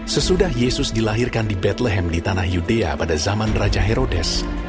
sesudah yesus dilahirkan di betleham di tanah yudea pada zaman raja herodes